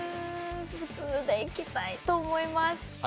普通でいきたいと思います。